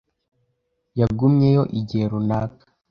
Yagumyeyo igihe runaka.